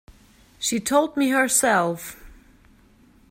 She told me herself.